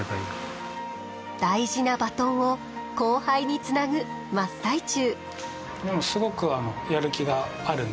大事なバトンを後輩につなぐ真っ最中。